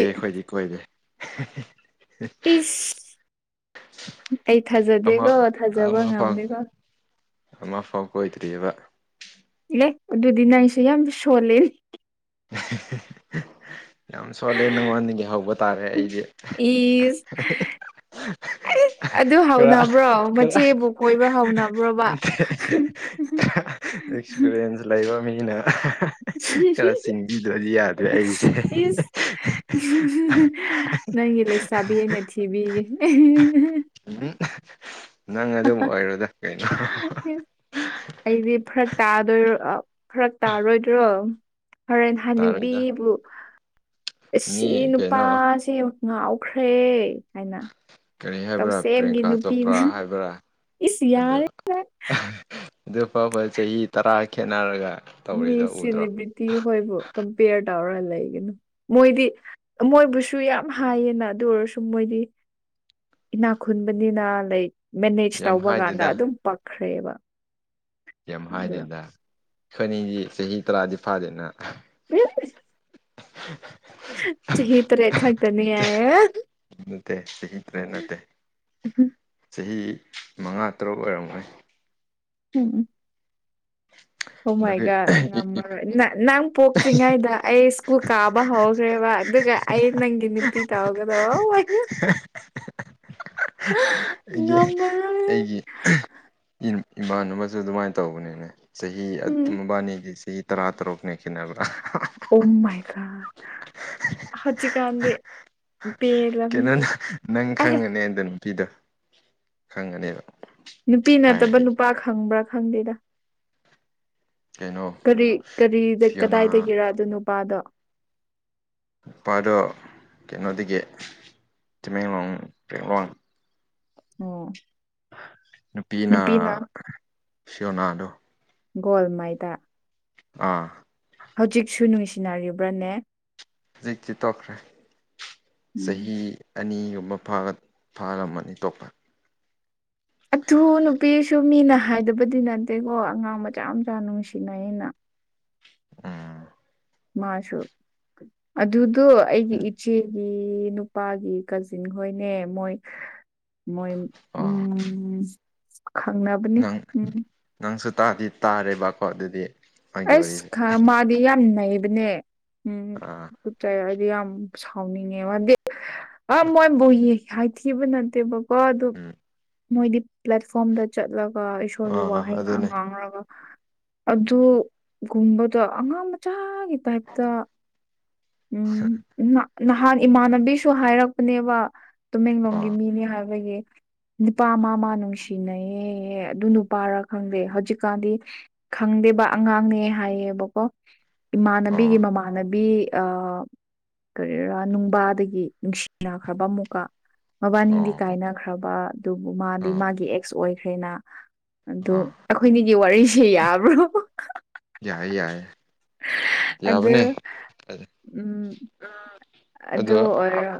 ꯑꯦ ꯑꯩꯈꯣꯏꯗꯤ ꯀꯣꯏꯔꯦ ꯏꯁꯐ ꯑꯩ ꯑꯃ ꯊꯥꯖꯗꯦꯀꯣ ꯊꯥꯖꯕ ꯉꯝꯗꯦꯀꯣ ꯑꯃ ꯐꯥꯎ ꯀꯣꯏꯇꯔꯤꯕ ꯑꯗꯨꯗꯤ ꯅ ꯑꯩꯁꯤꯦ ꯌꯥꯝ ꯁꯣꯂꯦ [unintelligible] ꯌꯥꯝ ꯁꯣꯜꯂꯦ ꯅꯉꯣꯟꯗꯒꯤ ꯍꯧꯕ ꯇꯥꯔꯦ ꯑꯩꯗꯤ ꯏꯁ ꯑꯗꯨ ꯀ ꯍꯧꯅꯕ꯭ꯔꯣ ꯃꯆꯦꯕꯨ ꯀꯣꯏꯕ ꯍꯧꯅꯕ꯭ꯔꯣꯕ ꯀ ꯑꯦꯛꯁꯄꯤꯔꯤꯌꯦꯟꯁ ꯂꯩꯕ ꯃꯤꯅ ꯈꯔ [inaudible] ꯆꯤꯡꯕꯤꯗ꯭ꯔꯗꯤ ꯌꯥꯗ꯭ꯔꯦ ꯑꯩꯁꯦ ꯏꯁ ꯅꯪꯒꯤ ꯂꯩꯁꯥꯕꯤ ꯑꯩꯅ ꯊꯤꯕꯤꯒꯦ ꯎꯝ ꯅꯪ ꯑꯗꯨꯝ ꯑꯣꯏꯔꯣꯏꯗ ꯀꯩꯅꯣ ꯑꯩꯗꯤ ꯐꯔꯛ ꯇꯥ ꯐꯔꯛ ꯇꯥꯔꯣꯏꯗ꯭ꯔꯣ ꯍꯣꯔꯦꯜ ꯇꯥꯔꯣꯏꯗ ꯍꯥꯅꯨꯕꯤꯕꯨ ꯃꯤ ꯑꯁꯤ ꯀꯩꯅꯣ ꯅꯨꯄꯥꯁꯦ ꯉꯥꯎꯈ꯭ꯔꯦ ꯍꯥꯏꯅ ꯀꯔꯤ ꯍꯥꯏꯕ꯭ꯔꯥ ꯇꯧꯁꯦꯝꯒꯤ ꯄ꯭ꯔꯤꯌꯥꯡꯀꯥ ꯅꯨꯄꯤꯅ ꯆꯣꯄ꯭ꯔꯥ ꯍꯥꯏꯕ꯭ꯔꯥ ꯏꯁ ꯑꯗꯣ ꯌꯥꯔꯦ ꯑꯗꯨ ꯐꯥꯎꯕꯥ ꯆꯍꯤ ꯇꯔꯥ ꯈꯦꯠꯅꯔꯒ ꯃꯤ ꯇꯧꯔꯤꯗꯣ ꯎꯗ꯭ꯔꯣ ꯁꯂꯤꯕ꯭ꯔꯤꯇꯤ ꯍꯣꯏ ꯕꯣ ꯀꯝꯄꯦꯌꯔ ꯇꯧꯔ ꯂꯩꯒꯅꯨ ꯃꯣꯏꯗꯤ ꯃꯣꯏꯕꯨꯁꯨ ꯌꯥꯝ ꯍꯥꯏꯌꯦꯅ ꯑꯗꯨ ꯑꯣꯏꯔꯁꯨ ꯃꯣꯏꯗꯤ ꯏꯅꯥꯈꯨꯟꯕꯅꯤꯅ ꯂꯥꯏ ꯃꯦꯅꯦꯖ ꯌꯥꯝ ꯇꯧꯕ ꯀꯥꯟꯗ ꯍꯥꯏꯗꯦꯗ ꯑꯗꯨꯝ ꯄꯛꯈ꯭ꯔꯦꯕ ꯀꯦꯝ ꯑꯗꯨ ꯍꯥꯏꯗꯦꯗ ꯑꯩꯈꯣꯏ ꯑꯅꯤꯗꯤ ꯆꯍꯤ ꯇꯔꯥꯗꯤ ꯐꯥꯗꯦꯅ ꯎ [inaudible] ꯆꯍꯤꯍꯤ ꯇ ꯔꯦꯈꯥꯗꯅꯤ ꯍꯥꯏꯌꯦ ꯅꯠꯇꯦ ꯆꯍꯤ ꯇꯔꯦꯠ ꯅꯠꯇꯦ ꯆꯍꯤ ꯃꯉꯥ ꯇꯔꯨꯛ ꯑꯣꯏꯔꯝꯒꯣꯏ ꯎꯝ ꯎꯝ ꯑꯗꯨꯒꯤ ꯍꯃꯥꯏꯒ ꯉꯝꯃꯔꯣꯏ ꯅꯪ ꯄꯣꯛꯇ꯭ꯔꯤꯉꯩꯗ ꯑꯩ ꯁ꯭ꯀꯨꯜ ꯀꯥꯕ ꯍꯧꯈ꯭ꯔꯦꯕ ꯑꯗꯨꯒ ꯑꯩ ꯅꯪꯅꯤꯞ ꯄꯤ ꯇ ꯍꯒꯗ ꯑꯩꯒꯤ ꯑꯩꯒꯤ ꯏꯃꯥꯟꯅꯕꯁꯨ ꯑꯗꯨꯃꯥꯏꯅ ꯇꯧꯕꯅꯦꯅꯦ ꯆꯍꯤ ꯎꯝ ꯃꯕꯥꯅꯤꯗꯤ ꯆꯍꯤ ꯇꯔꯥ ꯇꯔꯨꯛꯅꯦ ꯈꯦꯠꯅꯕ꯭ꯔꯥ ꯑꯣꯃꯥꯏ ꯀꯥꯟ ꯍꯧꯖꯤꯛ ꯀꯥꯟꯗꯤ ꯀꯩꯅꯣꯅꯦ ꯅꯪ ꯈꯪꯉꯅꯤ ꯑꯗꯨ ꯅꯨꯄꯤꯗꯣ ꯈꯪꯉꯅꯤꯕ ꯅꯨꯄꯤ ꯅꯠꯇꯕ ꯅꯨꯄꯥ ꯈꯪꯕ꯭ꯔꯥ ꯈꯪꯗꯦꯗꯥ꯫ ꯀꯩꯅꯣ ꯀꯔꯤ ꯀꯔꯤꯗ ꯐꯤꯌꯣꯅꯥ ꯀꯗꯥꯏꯗꯒꯤꯔ ꯑꯗꯨ ꯅꯨꯄꯥꯗꯣ ꯅꯨꯄꯥꯗꯣ ꯀꯩꯅꯣꯗꯒꯤ ꯇꯃꯦꯡꯂꯣꯡ ꯇꯃꯦꯡꯂꯣꯡ ꯑꯣ ꯅꯨꯄꯤꯅ ꯁꯤꯌꯣꯅꯥꯗꯣ ꯒꯣꯜ ꯃꯥꯏꯗ ꯑꯥ ꯍꯧꯖꯤꯛꯁꯨ ꯅꯨꯡꯁꯤꯅꯔꯤꯕ꯭ꯔꯅꯦ ꯍꯧꯖꯤꯛꯇꯤ ꯇꯣꯛꯈ꯭ꯔꯦ ꯎꯝ ꯆꯍꯤ ꯑꯅꯤꯒꯨꯝꯕꯥ ꯐꯥꯔꯝꯃꯅꯤ ꯇꯣꯄ ꯑꯗꯨ ꯅꯨꯄꯤꯁꯨ ꯃꯤꯅ ꯍꯥꯏꯗꯕꯗꯤ ꯅꯠꯇꯦꯀꯣ ꯑꯉꯥꯡ ꯃꯆꯥ ꯃꯆꯥ ꯅꯨꯡꯁꯤꯅꯩꯌꯦꯅ ꯎꯝ ꯃꯥꯁꯨ ꯑꯗꯨꯗꯨ ꯑꯩꯒꯤ ꯏꯆꯦ ꯒꯤ ꯅꯨꯄꯥꯒꯤ ꯀꯖꯤꯟ ꯍꯣꯏꯅꯦ ꯃꯣꯏ ꯃꯣꯏ ꯑꯣ ꯎꯝ ꯈꯪꯅꯕꯅꯤ ꯅꯪ ꯎꯝ ꯅꯪꯁꯨ ꯇꯥꯗꯤ ꯇꯥꯔꯦꯕꯀꯣ ꯑꯗꯨꯗꯤ ꯃꯥꯒꯤ ꯑꯁ ꯋꯥꯔꯤꯁꯦ ꯈ ꯃꯥꯗꯤ ꯌꯥꯝ ꯅꯩꯕꯅꯦ ꯎꯝ ꯑꯥ ꯗꯣꯛꯇꯣꯔ ꯑꯣꯏꯕꯥ ꯌꯥꯝ ꯁꯥꯎꯅꯤꯡꯉꯦꯕꯗꯤ ꯑ ꯃꯣꯏꯕꯨ ꯍꯥꯏꯊꯤꯕ ꯅꯠꯇꯦꯕ ꯀꯣ ꯑꯗꯨ ꯎꯝ ꯃꯣꯏꯗꯤ ꯄ꯭ꯂꯦꯠꯐꯣꯝꯗ ꯆꯠꯂꯒ ꯏꯁꯣꯔꯒꯤ ꯑꯥ ꯋꯥꯍꯩ ꯉ ꯑꯗꯨꯅꯦ ꯉꯥꯡꯉꯒ ꯑꯗꯨ ꯒꯨꯝꯕꯗꯣ ꯑꯉꯥꯡ ꯃꯆꯥꯒꯤ ꯇꯥꯏꯞꯇ ꯎꯝ ꯅꯍꯥꯟ ꯏꯃꯥꯟꯅꯕꯤꯁꯨ ꯍꯥꯏꯔꯛꯄꯅꯦꯕ ꯇꯨꯃꯦꯡꯂꯣꯡꯒꯤ ꯑꯥ ꯃꯤꯅꯤ ꯍꯥꯏꯕꯒꯤ ꯅꯨꯄꯥ ꯃꯥ ꯃꯥ ꯅꯨꯡꯁꯤꯅꯩꯌꯦ ꯑꯗꯨ ꯅꯨꯄꯥꯔ ꯈꯪꯗꯦ ꯍꯧꯖꯤꯛꯀꯥꯟꯗꯤ ꯈꯪꯗꯦꯕ ꯑꯉꯥꯡꯅꯦ ꯍꯥꯏꯌꯦꯕꯀꯣ ꯑꯥ ꯏꯃꯥꯟꯅꯕꯤꯒꯤ ꯃꯃꯥꯟꯅꯕꯤ ꯀꯔꯤꯔꯥ ꯅꯨꯡꯕꯥꯗꯒꯤ ꯅꯨꯡꯁꯤꯅꯈ꯭ꯔꯕ ꯑꯃꯨꯛꯀ ꯃꯕꯥꯅꯤꯗꯤ ꯑꯣ ꯀꯥꯏꯅꯈ꯭ꯔꯕ ꯑꯗꯨꯕꯨ ꯃꯥꯗꯤ ꯑꯥ ꯃꯥꯒꯤ ꯑꯦꯛꯁ ꯑꯣꯏꯈ꯭ꯔꯦꯅ ꯑꯗꯨ ꯑꯥ ꯑꯩꯈꯣꯏꯅꯤꯒꯤ ꯋꯥꯔꯤꯁꯦ ꯌꯥꯕ꯭ꯔꯣ ꯌꯥꯏꯏ ꯌꯥꯏꯏ ꯑꯗ ꯎꯝ ꯑꯗꯨ ꯑꯗꯣ ꯑꯣꯏꯔ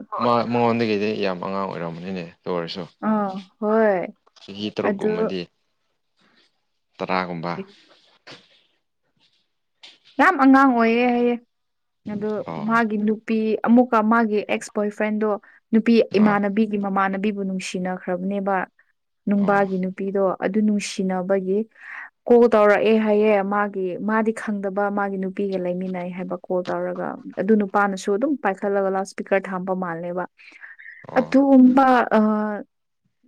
ꯃꯉꯣꯟꯗꯒꯤꯗꯤ ꯌꯥꯝ ꯑꯉꯥꯡ ꯑꯣꯏꯔꯝꯒꯅꯤꯅꯦ ꯑꯣꯏꯔꯁꯨ ꯑꯥ ꯍꯣꯏ ꯆꯍꯤ ꯑꯗꯨ ꯇꯔꯨꯛꯀꯨꯝꯕꯗꯤ ꯇꯔꯥꯒꯨꯝꯕ ꯌꯥꯝ ꯑꯉꯥꯡ ꯑꯣꯏꯌꯦ ꯍꯥꯏꯌꯦ ꯑꯗꯣ ꯑꯣ ꯃꯥꯒꯤ ꯅꯨꯄꯤ ꯑꯃꯨꯛꯀ ꯃꯥꯒꯤ ꯑꯦꯛꯁ ꯕꯣꯏ ꯐ꯭ꯔꯦꯟꯗꯣ ꯅꯨꯄꯤ ꯑꯥ ꯏꯃꯥꯟꯅꯕꯤꯒꯤ ꯃꯃꯥꯟꯅ ꯅꯨꯡꯁꯤꯅꯈ꯭ꯔꯕꯅꯦꯕ ꯑꯣ ꯅꯨꯡꯕꯥꯒꯤ ꯅꯨꯄꯤꯗꯣ ꯑꯗꯨ ꯅꯨꯡꯁꯤꯅꯕꯒꯤ ꯀꯣꯜ ꯇꯧꯔꯛꯑꯦ ꯍꯥꯏꯌꯦ ꯃꯥꯒꯤ ꯃꯥꯗꯤ ꯐꯪꯗꯕ ꯃꯥꯒꯤ ꯅꯨꯄꯤꯒ ꯂꯩꯃꯤꯟꯅꯩ ꯍꯥꯏꯕ ꯀꯣꯜ ꯇꯧꯔꯒ ꯑꯗꯨ ꯅꯨꯄꯥꯅꯁꯨ ꯑꯗꯨꯝ ꯄꯥꯏꯈꯠꯂꯒ ꯂꯥꯎꯠ ꯁꯄꯤꯀꯔ ꯊꯝꯕ ꯃꯥꯜꯂꯦꯕ ꯑꯥ ꯑꯗꯨꯕ ꯑ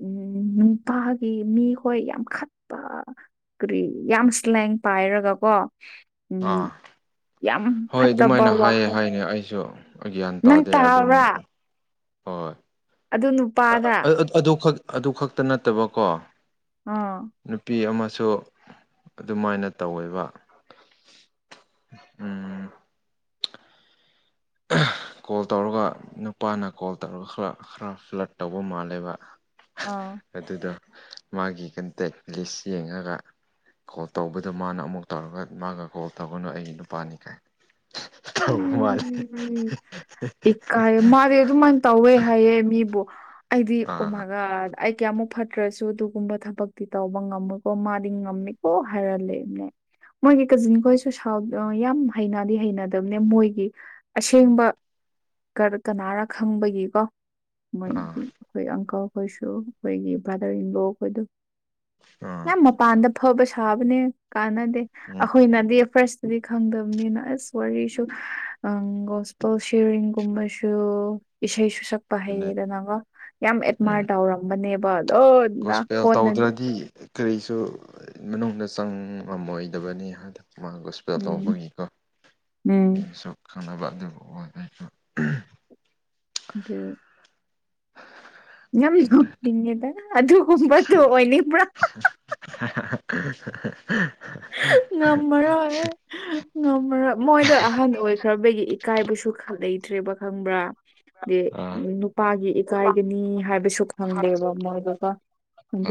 ꯎꯝ ꯅꯨꯄꯥꯒꯤ ꯃꯤꯈꯣꯏ ꯌꯥꯝ ꯈꯠꯄ ꯀꯔꯤ ꯌꯥꯝ ꯁ꯭ꯂꯦꯡ ꯄꯥꯏꯔꯒꯀꯣ ꯎꯝ ꯑꯥ ꯌꯥꯝ ꯍꯣꯏ ꯐꯠꯇꯕ ꯑꯗꯨꯃꯥꯏꯅ ꯍꯥꯏꯌꯦ ꯋꯥꯍꯩ ꯍꯥꯏꯅꯦ ꯑꯩꯁꯨ ꯒ꯭ꯌꯥꯟ ꯅꯪ ꯇꯥꯗꯦ ꯑꯗꯨꯅꯦ ꯇꯥꯕ꯭ꯔꯥ ꯍꯣꯏ ꯑꯗꯨ ꯅꯨꯄꯥꯗ ꯑꯗꯨꯈꯛ ꯑꯗꯨ ꯈꯛꯇ ꯅꯠꯇꯕꯀꯣ ꯑꯥ ꯅꯨꯄꯤ ꯑꯃ ꯁꯨ ꯑꯗꯨꯃꯥꯏꯅ ꯇꯧꯋꯦꯕ ꯎꯝ [unintelligible] ꯀꯣꯜ ꯇꯧꯔꯒ ꯅꯨꯄꯥꯅ ꯀꯣꯜ ꯇꯧꯔꯒ ꯈꯔ ꯈꯔ ꯐ꯭ꯂꯠ ꯇꯧꯕ ꯃꯥꯜꯂꯦꯕ ꯑꯥ ꯑꯗꯨꯗꯣ ꯃꯥꯒꯤ ꯀꯟꯇꯦꯛ ꯂꯤꯁ ꯌꯦꯡꯉꯒ ꯀꯣꯜ ꯇꯧꯕꯗꯨ ꯃꯥꯅ ꯑꯃꯨꯛ ꯇꯧꯔꯒ ꯃꯥꯒ ꯀꯣꯜ ꯇꯧꯒꯅꯨ ꯑꯩ ꯅꯨꯄꯥꯅꯤ ꯀꯥꯏ ꯇꯧꯕ ꯃꯥꯅꯦ ꯎꯝ ꯏꯀꯥꯏꯌꯦ ꯃꯥꯗꯤ ꯑꯗꯨꯃꯥꯏꯅ ꯇꯧꯋꯦ ꯍꯥꯏꯌꯦ ꯃꯤꯕꯨ ꯑꯩꯗꯤ ꯑꯥ ꯎꯃꯒ ꯑꯩ ꯀꯌꯥꯃꯨꯛ ꯐꯠꯇ꯭ꯔꯁꯨ ꯑꯗꯨꯒꯨꯝꯕ ꯊꯕꯛꯇꯤ ꯇꯧꯕ ꯉꯝꯃꯨꯀꯣ ꯃꯥꯗꯤ ꯉꯝꯃꯤꯀꯣ ꯍꯥꯏꯂ ꯂꯩꯕꯅꯦ ꯃꯣꯏꯒꯤ ꯀꯖꯤꯟ ꯈꯣꯏꯁꯨ ꯁꯥꯎ ꯌꯥꯝ ꯍꯩꯅꯗꯤ ꯍꯩꯅꯗꯦ ꯃꯣꯏꯒꯤ ꯑꯁꯦꯡꯕ ꯀꯅꯥꯅ ꯈꯪꯕꯒꯤꯀꯣ ꯑꯥ ꯃꯣꯏꯗꯤ ꯑꯩꯈꯣꯏ ꯑꯪꯀꯜꯈꯣꯏꯁꯨ ꯑꯩꯈꯣꯏꯒꯤ ꯕ꯭ꯔꯥꯗꯔ ꯏꯟꯂꯣꯈꯣꯢꯗꯣ ꯑꯥ ꯌꯥꯝ ꯃꯄꯥꯟꯗ ꯐꯕ ꯁꯥꯕꯅꯦ ꯀꯥꯟꯅꯗꯦ ꯎꯝ ꯑꯩꯈꯣꯏꯅꯗꯤ ꯐꯥꯔꯁ ꯑꯗꯨꯗꯤ ꯈꯪꯗꯕꯅꯤꯅ ꯑꯁ ꯋꯥꯔꯤꯁꯨ ꯑ ꯒꯣꯁꯄꯜ ꯁꯤꯔꯤꯡꯒꯨꯝꯕꯁꯨ ꯏꯁꯩ ꯁꯛꯄ ꯑꯗꯨꯅꯦ ꯍꯩꯌꯦꯗꯅꯒ ꯌꯥꯝ ꯎꯝ ꯑꯦꯠꯃꯥꯔꯠ ꯇꯧꯔꯝꯕꯅꯦꯕ ꯑꯗꯣ ꯒꯣꯁꯄꯦꯜ ꯀꯣꯟꯅꯗꯤ ꯇꯧꯗ꯭ꯔꯗꯤ ꯀꯔꯤ ꯁꯨ ꯃꯅꯨꯡꯗ ꯆꯪꯉꯝꯃꯣꯏꯗꯕꯅꯤ ꯍꯥꯏꯗ ꯃꯥꯥꯡꯒ ꯒꯣꯁꯄꯦꯜ ꯎꯝ ꯇꯧꯕꯒꯤꯀꯣ ꯎꯝ ꯁꯨ ꯈꯪꯅꯕ ꯑꯗꯨꯕꯨ ꯑꯣꯏ ꯑꯩꯁꯨ ꯑꯝ ꯌꯥꯝ ꯍꯥꯏꯇꯥꯔꯦ ꯀꯨꯞꯅꯤꯡꯉꯦꯗ ꯑꯗꯨꯒꯨꯝꯕꯗꯨ ꯑꯣꯏꯅꯤꯡꯕꯔꯥ [inaudible] ꯉꯝꯃꯔꯣꯏ ꯉꯝꯃꯔꯣꯏ ꯃꯣꯏꯗ ꯑꯍꯟ ꯑꯣꯏꯈ꯭ꯔꯕꯒꯤ ꯀꯥꯏꯕꯁꯨ ꯂꯩꯇ꯭ꯔꯦꯕ ꯈꯪꯕ꯭ꯔꯥ ꯑ ꯑꯥ ꯅꯨꯄꯥꯒꯤ ꯏꯀꯥꯏꯒꯅꯤ ꯍꯥꯏꯕꯁꯨ ꯈꯪꯗꯦꯕ ꯃꯣꯏꯗꯨ ꯀꯣ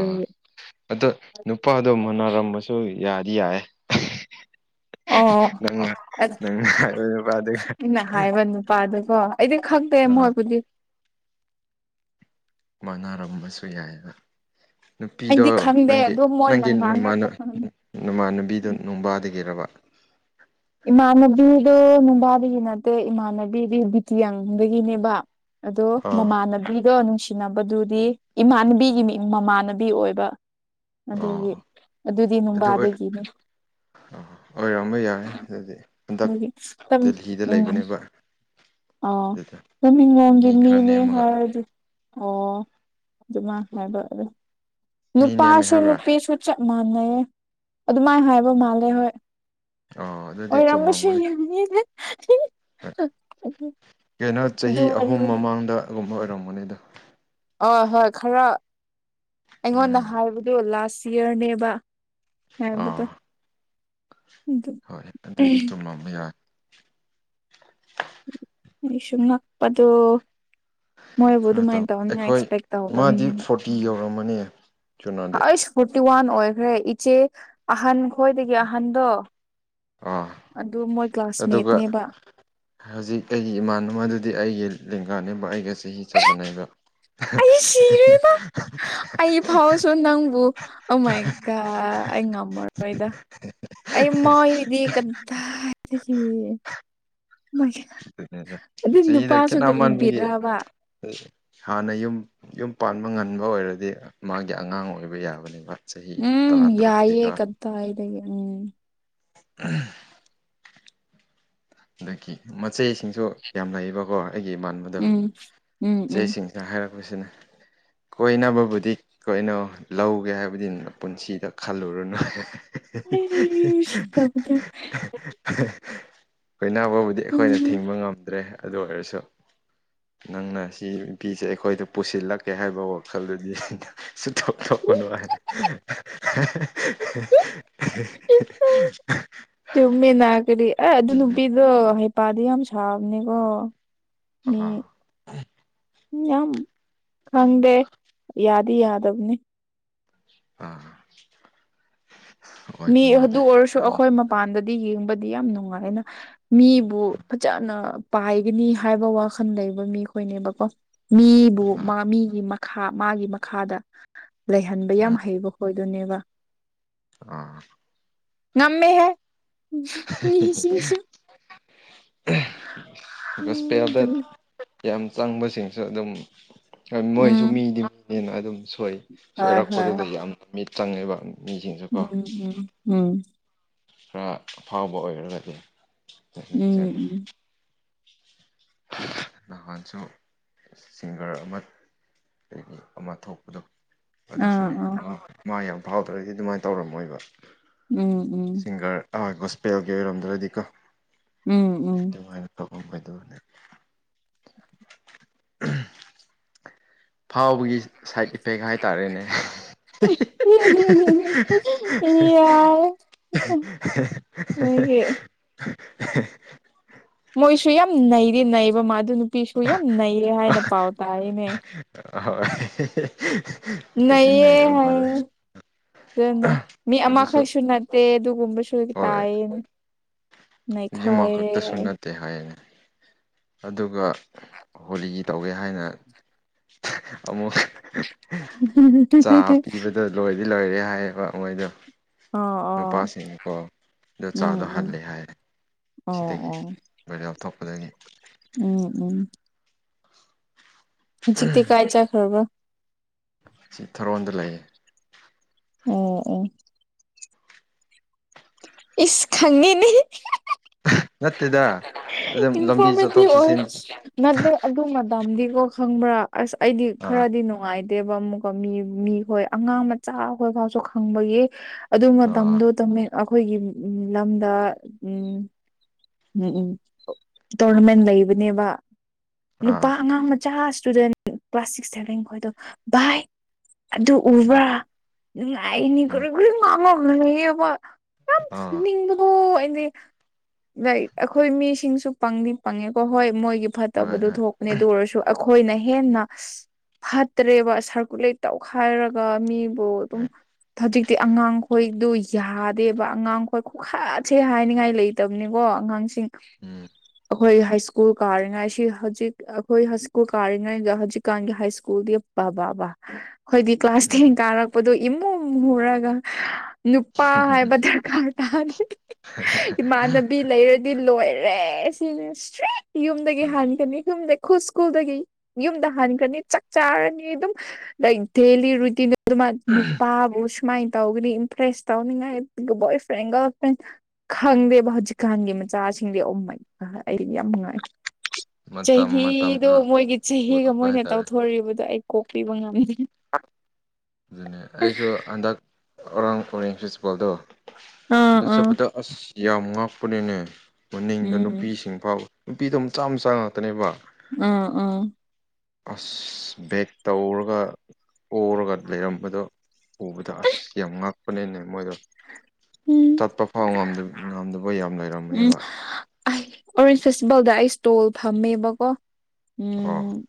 ꯑꯥ ꯑꯗꯣ ꯅꯨꯄꯥꯗꯣ ꯃꯨꯅꯔꯝꯕꯁꯨ ꯌꯥꯗꯤ ꯌꯥꯏꯌꯦ [unintelligible] ꯎꯃ [inaudible] ꯑ ꯑꯩꯅ ꯍꯥꯏꯕ ꯅꯨꯄꯥꯗꯨꯀꯣ ꯑꯩꯗꯤ ꯈꯪꯗꯦ ꯑꯥ ꯃꯣꯏꯕꯨꯗꯤ ꯃꯅꯥꯔꯝꯕꯁꯨ ꯌꯥꯏ ꯅꯨꯄꯤꯗꯣ ꯑꯩꯗꯤ ꯈꯪꯗꯦ ꯅꯪꯒꯤ ꯑꯗꯣ ꯃꯣꯏꯅ ꯅꯪꯒꯤ ꯅꯃꯥꯟ ꯉꯥꯡꯅꯔꯛꯄ ꯈꯪꯉ ꯅꯃꯥꯟꯅꯕꯤꯗꯣ ꯎꯝ ꯅꯣꯡꯕꯥꯗꯒꯤꯔꯕ ꯏꯃꯥꯟꯅꯕꯤꯗꯣ ꯅꯨꯡꯕꯥꯗꯒꯤ ꯅꯠꯇꯦ ꯏꯃꯥꯟꯅꯕꯤꯗꯤ ꯕꯤꯇꯤꯌꯥꯡꯗꯒꯤꯅꯦꯕ ꯑꯗꯣ ꯑꯥ ꯃꯃꯥꯟꯅꯕꯤꯗꯣ ꯅꯨꯡꯁꯤꯅꯕꯗꯨꯗꯤ ꯏꯃꯥꯟꯅꯕꯤꯒꯤ ꯃꯃꯥꯟꯅꯕꯤ ꯑꯣꯏꯕ ꯑꯣ ꯑꯗꯨꯒꯤ ꯑꯗꯨꯗꯤ ꯑꯗꯨ ꯑꯣꯏ ꯅꯨꯡꯕꯥꯗꯒꯤꯅꯦ ꯑꯣꯏꯔꯝꯕ ꯌꯥꯏ [unintelligible] ꯑꯗꯨꯗꯤ ꯍꯟꯗꯛ ꯗꯦꯜꯍꯤꯗ ꯂꯩꯕꯅꯦꯕ ꯑ ꯑꯗꯨꯗ ꯇꯃꯤꯡꯂꯣꯡꯒꯤ ꯃꯤ ꯈꯔ ꯃꯤꯅꯦ ꯅꯦꯝꯃꯒ ꯍꯥꯏꯗꯤ ꯑꯣ ꯑꯗꯨꯃ ꯃꯤ ꯅꯦꯝꯃꯦ ꯅꯨꯄꯥꯁꯨ ꯍꯥꯏꯕ꯭ꯔꯥ ꯅꯨꯄꯤꯁꯨ ꯃꯥꯟꯅꯩꯌꯦ ꯑꯗꯨꯃꯥꯏ ꯍꯥꯏꯕ ꯃꯥꯜꯂꯦ ꯍꯣꯏ ꯑꯣ ꯑꯗꯨꯗꯤ ꯑꯣꯏꯔꯝꯕꯁꯨ ꯆꯨꯝꯃꯝꯒꯅꯤ [unintelligible] ꯀꯩꯅꯣ ꯑꯗꯨ ꯆꯍꯤ ꯑꯍꯨꯝ ꯋꯥꯔꯤꯗꯣ ꯃꯃꯥꯡꯗ ꯑꯗꯨꯨꯝꯕ ꯑꯣꯏꯔꯝꯒꯅꯤꯗ ꯍ ꯍꯣꯏ ꯈꯔ ꯑꯩꯉꯣꯟꯗ ꯎꯝ ꯍꯥꯏꯕꯗꯨ ꯂꯥꯁ ꯏꯌꯥꯔꯅꯦꯕ [unintelligible] ꯑꯥ ꯍꯣꯏ ꯑꯗꯨꯗꯤ ꯆꯨꯝꯂꯝꯝꯕ ꯌꯥꯔꯦ ꯑꯩ ꯁꯨ ꯉꯛꯄꯗꯣ ꯃꯣꯏꯕꯨ ꯈꯔ ꯇꯧ ꯑꯗꯨꯃꯥꯏꯅ ꯇꯧꯅꯤꯅ ꯑꯩꯈꯣꯏ ꯑꯦꯛꯁꯄꯦꯛ ꯃꯥꯗꯤ ꯇꯧꯗꯕꯅꯦꯕ ꯐꯣꯔꯇꯤ ꯌꯧꯔꯝꯃꯅꯤ ꯆꯨꯅꯣꯗꯤ ꯑꯩꯁ ꯐꯣꯔꯇꯤ ꯋꯥꯟ ꯑꯣꯏꯈ꯭ꯔꯦ ꯏꯆꯦ ꯑꯍꯟ ꯈꯣꯏꯗꯒꯤ ꯑꯍꯟꯗꯣ ꯑꯥ ꯑꯗꯨ ꯃꯣꯏ ꯑꯗꯨꯒ ꯀ꯭ꯂꯥꯁꯃꯦꯠꯅꯦꯕ ꯍꯧꯖꯤꯛ ꯑꯩꯒꯤ ꯏꯃꯥꯟꯅꯕꯅꯕꯗꯨꯗꯤ ꯑꯩꯒꯤ ꯂꯦꯡꯒꯥꯅꯦꯕ ꯑꯩꯒ ꯆꯍꯤ ꯆꯠ ꯃꯥꯟꯅꯩꯕ ꯑꯩ ꯁꯤꯔꯦꯗ ꯑꯩ ꯐꯥꯎꯁꯨ ꯅꯪꯕꯨ ꯑꯃꯀ ꯑꯩ ꯉꯝꯃꯔꯣꯏꯗ ꯑꯩꯃ ꯏꯗꯤ ꯀ ꯑꯗꯨꯅꯤꯗ [unintelligible] ꯆꯍꯤꯗ ꯈꯦꯠꯅꯃꯥꯟꯕꯒꯤ ꯍꯥꯟꯅ ꯌꯨꯝ ꯌꯨꯝ ꯄꯥꯟꯕ ꯉꯟꯕ ꯑꯣꯏꯔꯗꯤ ꯃꯥꯒꯤ ꯑꯉꯥꯡ ꯑꯣꯏꯕ ꯌꯥꯕꯅꯦꯕ ꯆꯍꯤ ꯎꯝ ꯇꯔꯥ ꯌꯥꯏꯌꯦ ꯇꯔꯨꯛꯇꯤꯀꯣ ꯀꯗꯥꯏꯗꯒꯤ ꯎꯝ [inaudible] ꯑꯗꯒꯤ ꯃꯆꯦꯁꯤꯡꯁꯨ ꯌꯥꯝ ꯂꯩꯌꯦꯕꯀꯣ ꯑꯩꯒꯤ ꯏꯃꯥꯟꯕꯗꯣ ꯎꯝ ꯎꯝ ꯎꯝ ꯏꯆꯦꯁꯤꯡꯅ ꯍꯥꯏꯔꯛꯄꯁꯤꯅ ꯀꯣꯏꯅꯕꯕꯨꯗꯤ ꯀꯣꯏꯅꯧꯅꯣ ꯂꯧꯒꯦ ꯍꯥꯏꯕꯗꯤ ꯄꯨꯟꯁꯤꯗ ꯈꯜꯂꯨꯔꯨꯅꯨ [inaudible] ꯀꯣꯏꯅꯥꯕꯕꯨꯗꯤ ꯑꯩꯈꯣꯏꯅ ꯊꯤꯡꯕ ꯉꯝꯗ꯭ꯔꯦ ꯑꯗꯨ ꯑꯣꯏꯔꯁꯨ ꯅꯪꯅ ꯁꯤ ꯅꯨꯄꯤꯁꯦ ꯑꯩꯈꯣꯏꯗ ꯄꯨꯁꯤꯜꯂꯛꯀꯦ ꯍꯥꯏꯕ ꯋꯥꯈꯜꯗꯨꯗꯤ [unintelligible] [unintelligible] ꯆꯨꯝꯃꯦ ꯅꯥ ꯀꯔꯤ ꯑ ꯑꯗꯨ ꯎꯝ ꯅꯨꯄꯤꯗꯣ ꯍꯩꯄꯥꯗꯤ ꯌꯥꯝ ꯁꯥꯕꯅꯤꯀꯣ ꯑ ꯌꯥꯝ ꯈꯪꯗꯦ ꯌꯥꯗꯤ ꯌꯥꯗꯕꯅꯤ ꯑꯥ ꯃꯤ ꯑꯣꯏꯕ ꯃꯥꯜꯂꯦ ꯑꯗꯨ ꯑꯣꯏꯔꯁꯨ ꯑꯗꯨꯝ ꯑꯩꯈꯣꯏ ꯃꯄꯥꯟꯗ ꯌꯦꯡꯕꯗꯤ ꯌꯥꯝ ꯅꯨꯡꯉꯥꯏꯅ ꯃꯤꯕꯨ ꯐꯖꯅ ꯄꯥꯏꯒꯅꯤ ꯍꯥꯏꯕ ꯋꯥꯈꯜ ꯂꯩ ꯂꯩꯕ ꯃꯤꯈꯣꯏꯅꯦꯕꯀꯣ ꯃꯤꯕꯨ ꯑꯥ ꯃꯤꯒꯤ ꯃꯈꯥ ꯃꯥꯒꯤ ꯃꯈꯥꯗ ꯂꯩꯍꯟꯕ ꯌꯥꯝ ꯎꯝ ꯍꯩꯕ ꯍꯣꯏ ꯅꯦꯕ ꯑꯥ ꯉꯃꯦꯍꯦ [unintelligible] ꯑꯗꯨꯅ [unintelligible] ꯌꯥꯝ ꯆꯪꯕꯁꯤꯡꯁꯨ ꯑꯗꯨꯝ ꯃꯣꯏꯁꯨ ꯎꯝ ꯃꯤꯗꯤꯅꯦꯅ ꯑꯗꯨꯝ ꯁꯣꯏ ꯁꯣꯏꯔꯛꯄꯗꯨꯗ ꯌꯥꯝ ꯃꯤꯠ ꯆꯪꯉꯦꯕ ꯃꯤꯁꯤꯡꯁꯨꯀꯣ ꯈꯔ ꯑꯐꯥꯎꯕ ꯑꯣꯏꯔꯒꯗꯤ ꯆꯪ ꯆꯪꯉꯤ ꯅꯍꯥꯟꯁꯨ ꯁꯤꯡꯒꯔ ꯑꯃ ꯀꯒꯤ ꯑꯃ ꯊꯣꯛꯄꯗꯣ꯫ ꯑꯗꯨꯁꯨꯅꯦ ꯃꯥ ꯌꯥꯝ ꯐꯥꯎꯗ꯭ꯔꯒꯗꯤ ꯑꯗꯨꯃꯥꯏꯅ ꯇꯧꯔꯝꯃꯣꯏꯕ꯫ ꯎꯝ ꯎꯝ꯫ ꯑꯍꯣꯏ ꯒꯣꯁꯄꯦꯜꯒꯤ ꯑꯣꯏꯔꯝꯗ꯭ꯔꯗꯤꯀꯣ꯫ ꯎꯝ ꯎꯝ꯫ ꯑꯣ ꯑꯗꯨꯅ꯫ ꯐꯥꯎꯕꯒꯤ ꯁꯥꯏꯠ ꯏꯐꯦꯛ ꯍꯥꯏꯇꯥꯔꯦꯅꯦ ꯍ ꯎ꯫ ꯌꯥꯔ꯫ [unintelligible] [inaudible] ꯃꯣꯏꯁꯨ ꯌꯥꯝ ꯅꯩꯔꯤ ꯅꯩꯕ ꯃꯥ ꯑꯗꯨ ꯅꯨꯄꯤꯁꯨ ꯌꯥꯝ ꯅꯩꯌꯦ ꯍꯥꯏꯅ ꯄꯥꯎ ꯇꯥꯔꯤꯅꯦ꯫ ꯑꯍꯣꯏ꯫ ꯅꯌꯦ ꯍꯥꯏ꯫ ꯑꯗꯨꯅ ꯃꯤ ꯑꯗꯨꯁꯨ ꯑꯃꯈꯛꯁꯨ ꯅꯠꯇꯦ ꯑꯗꯨꯒꯨꯝꯕꯁꯨ ꯇꯥꯏꯌꯦꯅ꯫ ꯍꯧꯖꯤꯃ ꯅꯩꯈꯥꯏꯔꯦ ꯈꯛꯇꯁꯨ ꯍꯥꯏ ꯅꯠꯇꯦ ꯍꯥꯏꯔꯅꯤ꯫ ꯑꯗꯨꯒ ꯍꯣꯂꯤ ꯇꯧꯒꯦ ꯍꯥꯏꯅ ꯑꯃꯨꯛ꯫ ꯆꯥꯕꯄꯤꯕꯗꯣ ꯂꯣꯏꯗꯤ ꯂꯣꯏꯔꯦ ꯍꯥꯏꯌꯦꯕ ꯃꯣꯏꯗꯣ ꯑꯣ ꯑꯣ ꯅꯨꯄꯥꯁꯤꯡ ꯀꯣ ꯑꯗꯨ ꯎꯝ ꯆꯥꯗ ꯎꯝ ꯍꯜꯂꯦ ꯍꯥꯏꯔꯦ ꯑꯣ ꯁꯤꯗꯒꯤ ꯑꯣ ꯃꯣꯏ ꯂꯧꯊꯣꯛꯄꯗꯒꯤ ꯎꯝ ꯎꯝ ꯍꯧꯖꯤꯛꯇꯤ ꯀꯥꯏ ꯆꯈ꯭ꯔꯕ ꯁꯤ ꯊꯔꯣꯟꯗ ꯂꯩꯌꯦ ꯎꯝ ꯎꯝ ꯏꯁ ꯈꯪꯉꯤꯅꯤ ꯅꯠꯇꯗ ꯏꯟꯐꯣꯔꯃꯦꯇꯤ ꯑꯣꯏ ꯅꯗ ꯑꯗꯨ ꯃꯗꯥꯝꯗꯤ ꯀ ꯈꯪꯕ꯭ꯔꯥ ꯑꯁ ꯑꯩꯗꯤ ꯑꯥ ꯈꯔꯗꯤ ꯅꯨꯡꯉꯥꯏ ꯗꯦꯕ ꯑꯃꯨꯛꯀ ꯃꯤ ꯃꯤꯈꯣꯏ ꯑꯉꯥꯡ ꯃꯆꯥ ꯍꯈꯣꯏ ꯐꯥꯎꯁꯨ ꯈꯪꯕꯒꯤ ꯑꯗꯨ ꯑꯥ ꯃꯇꯝꯗꯨꯣ ꯑꯩꯈꯣꯏꯒꯤ ꯂꯝꯗ ꯎꯝ꯫ ꯎꯝ ꯎꯝ ꯇꯣꯔꯅꯃꯦꯟ ꯂꯩꯕꯅꯦꯕ ꯅꯨꯄꯥ ꯑꯥ ꯑꯉꯥꯡ ꯃꯆꯥ꯫ ꯏꯁꯇꯨꯗꯦꯟ ꯀ꯭ꯂꯥꯁ ꯁꯤꯛꯁ ꯁꯦꯚꯦꯟ ꯈꯣꯏꯗꯣ ꯕꯥꯏ ꯑꯗꯨ ꯎꯝ ꯎꯕ꯭ꯔꯥ ꯅꯨꯡꯉꯥꯏꯅꯤ ꯎꯝ ꯀꯔ ꯀꯦꯟ ꯉꯥꯡꯉꯧꯌꯦꯕ꯫ ꯑꯥ ꯗꯤ꯫ ꯑꯩꯈꯣꯏ ꯃꯤꯁꯤꯡꯁꯨ ꯄꯪꯗꯤ ꯄꯪꯉꯦꯀꯣ ꯍꯣꯏ ꯃꯣꯏꯒꯤ ꯍꯣꯏ ꯐꯠꯇꯕꯗꯨ ꯍꯣꯏ ꯊꯣꯛꯄꯅꯦ ꯑꯗꯨ ꯑꯣꯏꯔꯁꯨ ꯑꯩꯈꯣꯏꯅ ꯍꯦꯟꯅ ꯐꯠꯇ꯭ꯔꯦꯕ ꯁꯔꯀꯨꯂꯦꯠ ꯇꯧꯈꯥꯏꯔꯒ ꯃꯤ ꯍ ꯑꯗꯨꯝ ꯍꯣꯏ ꯊꯖꯤ ꯑꯉꯥꯡꯈꯣꯏꯗꯨ ꯌꯥꯗꯦꯕ ꯑꯉꯥꯡꯈꯣꯏ ꯈꯨꯈꯥꯁꯦ ꯍꯥꯏꯅꯤꯡꯉꯥꯏ ꯂꯩꯇꯕ ꯀꯣ ꯑꯉꯥꯡꯁꯤꯡ ꯎꯝ ꯑꯩꯈꯣꯏ ꯍꯥꯏ ꯁ꯭ꯀꯨꯜ ꯀꯥꯔꯤꯉꯥꯏ ꯁꯤ ꯍꯧꯖꯤꯛ ꯑꯩꯈꯣꯏ ꯍꯥꯏ ꯁ꯭ꯀꯨꯜ ꯀꯥꯔꯤꯉꯩꯗ ꯍꯧꯖꯤꯛꯀꯥꯟꯒꯤ ꯍꯥꯏ ꯁ꯭ꯀꯨꯜꯒꯤ ꯋꯥꯕꯕꯥꯕꯕꯥ ꯍꯥꯏꯣꯏꯗꯤ ꯀ꯭ꯂꯥꯁ ꯎꯝ ꯇꯦꯟ ꯀꯥꯔꯛꯄꯗꯣ ꯏꯃꯨꯡ ꯍꯨꯔꯒ ꯅꯨꯄꯥ ꯍꯥꯏꯕ ꯗꯔꯀꯥꯔ ꯇꯥꯗꯦ [unintelligible] ꯗꯤ ꯂꯣꯏꯔꯦ ꯁꯤ ꯏꯁꯇ꯭ꯔ ꯌꯨꯝꯗꯒꯤ ꯎꯝ ꯍꯥꯟꯒꯅꯤ ꯌꯨꯝꯗ ꯈꯨ ꯁꯀꯨꯜ꯫ ꯨꯝꯗꯍꯟꯈ꯭ꯔꯅꯤ ꯆꯥꯛ ꯆꯥꯔꯅꯤ ꯑꯗꯨꯝ ꯂꯥꯏꯛ ꯗꯦꯂꯤ ꯔꯨꯇꯤꯟ ꯅꯨꯄꯥꯕꯨ꯫ ꯃꯥꯏꯟ ꯇꯧꯒꯅꯤꯔꯤ ꯏꯝꯄ꯭ꯔꯦꯁ ꯇꯧ ꯉꯥꯏ ꯣ ꯐ꯭ꯔꯦꯟ ꯔꯜ ꯐ꯭ꯔꯦꯟ ꯈꯪꯗꯦꯕ꯫ ꯏꯀꯥꯟꯒꯤ ꯃꯆꯥꯁꯤꯡꯗꯤ ꯎꯃꯩ ꯑꯩꯗꯤ ꯌꯥꯝ ꯅꯨꯡꯉꯥꯏ꯫ ꯃꯇꯝ ꯆꯍꯤꯗꯣ ꯃꯇꯝꯅ ꯃꯣꯏꯒꯤ ꯆꯍꯤꯒ ꯄꯨꯔꯛꯄ ꯃꯣꯏꯅ ꯍꯥꯏꯇꯥꯔꯦ ꯇꯧꯊꯣꯔꯔꯤꯕꯗꯣ ꯑꯩ ꯀꯣꯀꯂꯤ ꯉ ꯑꯗꯨꯅꯦ ꯑꯩꯁꯨ ꯍꯟꯗꯛ ꯑꯔꯥꯡ ꯐꯔꯦ ꯄ꯭ꯔꯤꯆꯄꯥꯜꯗꯣ ꯑꯥ ꯑ ꯑꯥ ꯆꯠꯄꯗ ꯑꯁ ꯌꯥꯝ ꯉꯥꯛꯄꯅꯤꯅꯦ ꯃꯅꯤꯡꯗ ꯎꯝ ꯅꯨꯄꯤꯁꯤꯡ ꯐꯥꯎꯋ ꯅꯨꯄꯤꯗꯣ ꯆꯥ ꯃ ꯆꯥ ꯉꯥꯛꯇꯅꯦꯕ ꯑ ꯎꯥ ꯑꯁ ꯕꯦꯛ ꯇꯧꯔꯒ ꯑꯣꯔꯒ ꯂꯩꯔꯝꯕꯗꯣ ꯎꯕꯗ ꯑꯁ ꯌꯥꯝ ꯉꯥꯛꯄꯅꯤꯅꯦ ꯃꯣꯏꯗꯣ ꯎꯝ ꯆꯠꯄ ꯐꯥꯎ ꯉꯝꯗꯕ ꯌꯥꯝ ꯎꯝ ꯂꯩꯔꯝꯃꯦꯕ ꯑꯩ ꯑꯣꯔꯦꯟꯖ ꯐꯦꯁꯇꯤꯚꯦꯜꯗ ꯑꯩ ꯏꯁꯇꯣꯜ ꯐꯝꯃꯦꯕꯀꯣ ꯑꯣ ꯎꯝ